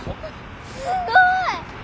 すごい！